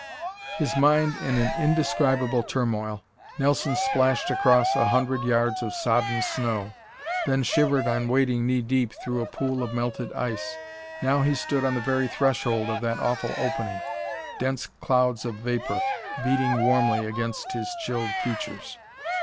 His mind in an indescribable turmoil, Nelson splashed across a hundred yards of sodden snow, then shivered on wading knee deep through a pool of melted ice. Now he stood on the very threshold of that awful opening, dense clouds of vapor beating warmly against his chilled features.